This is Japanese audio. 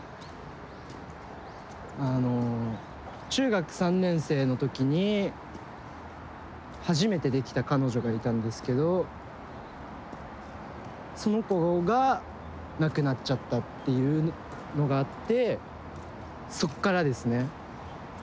あの中学３年生の時に初めてできた彼女がいたんですけどその子が亡くなっちゃったっていうのがあってそっからですね。